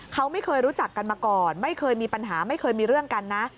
เขาไม่เคยรู้จักกันมาก่อนไม่เคยมีปัญหาไม่เคยมีเรื่องกันนะ